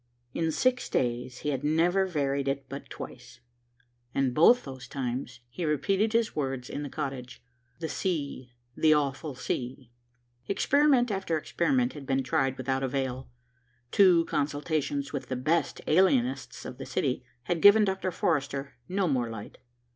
In six days he had never varied it but twice, and both those times he repeated his words in the cottage, "The sea, the awful sea." Experiment after experiment had been tried without avail. Two consultations with the best alienists of the city had given Dr. Forrester no more light.